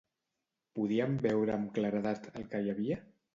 Podien veure amb claredat el que hi havia?